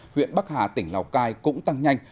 huyện bắc hà tỉnh lào cai cũng tăng nhanh